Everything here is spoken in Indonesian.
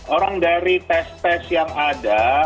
orang dari tes tes yang ada